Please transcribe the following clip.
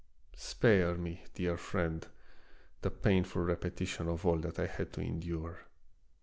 Spare me, dear friend, the painful repetition of all that I had to endure.